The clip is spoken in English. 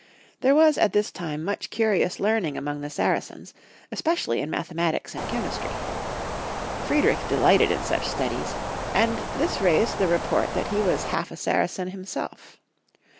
There was at this time much curious learning among the Saracens, especially in mathematics and chemistry. Fried rich delighted in such studies, and this raised the report that he was half a Saracen himself.